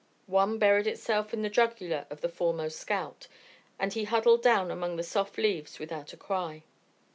One buried itself in the jugular of the foremost scout, and he huddled down among the soft leaves without a cry.